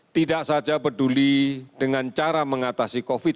tidak saja peduli dengan cara mengatasi covid sembilan belas